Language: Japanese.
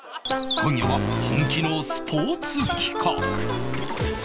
今夜は本気のスポーツ企画